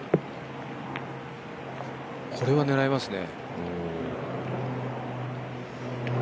これは狙えますね！